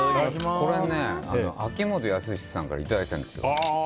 これ、秋元康さんからいただいたんですよ。